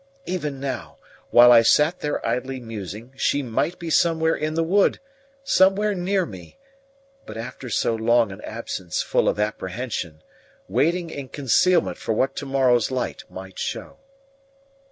Even now, while I sat there idly musing, she might be somewhere in the wood somewhere near me; but after so long an absence full of apprehension, waiting in concealment for what tomorrow's light might show.